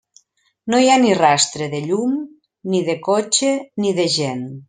No hi ha ni rastre de llum ni de cotxe ni de gent.